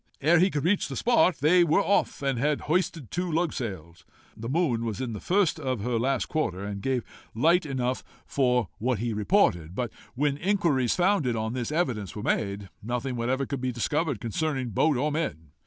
Ere he could reach the spot, they were off, and had hoisted two lugsails. The moon was in the first of her last quarter, and gave light enough for what he reported. But, when inquiries founded on this evidence were made, nothing whatever could be discovered concerning boat or men.